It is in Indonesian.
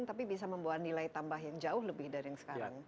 tapi bisa membawa nilai tambah yang jauh lebih dari yang sekarang